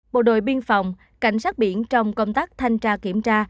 bộ đội biên phòng cảnh sát biển trong công tác thanh tra kiểm tra